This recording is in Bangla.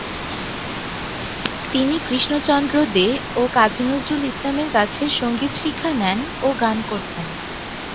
তিনি কৃষ্ণচন্দ্র দে ও কাজী নজরুল ইসলামের কাছে সঙ্গীত শিক্ষা নেন ও গান করতেন।